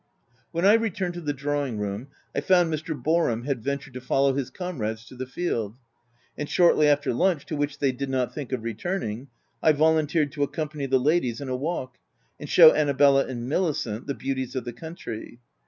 When I returned to the drawing room, I found Mr. Boarham had ventured to follow his comrades to the field ; and shortly after lunch, to which they did not think of returning, I volun tered to accompany the ladies in a walk, and show Annabella and Milicent the beauties of the country.